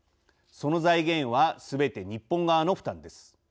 その財源はすべて日本側の負担です。